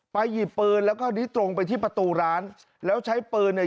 หยิบปืนแล้วก็นี้ตรงไปที่ประตูร้านแล้วใช้ปืนเนี่ย